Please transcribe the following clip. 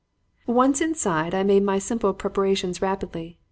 "Once inside, I made my simple preparations rapidly.